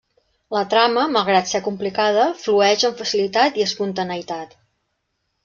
La trama, malgrat ser complicada, flueix amb facilitat i espontaneïtat.